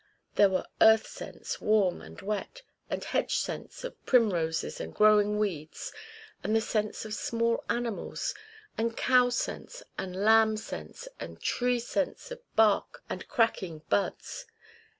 There were earth scents, warm and wet, and hedge scents of primroses and growing weeds, and the scents of small animals, and cow scents and lamb scents, and tree scents of bark and cracking buds.